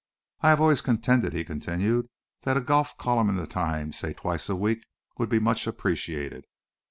I have always contended," he continued, "that a golf column in the Times, say twice a week, would be much appreciated.